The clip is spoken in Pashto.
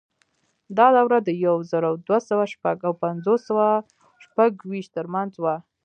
دا دوره د یو زر دوه سوه شپږ او پنځلس سوه شپږویشت ترمنځ وه.